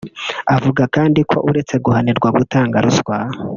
Avuga kandi ko uretse guhanirwa gutanga ruswa